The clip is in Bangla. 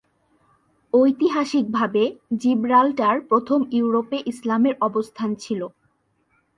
ঐতিহাসিকভাবে, জিব্রাল্টার প্রথম ইউরোপে ইসলামের অবস্থান ছিল।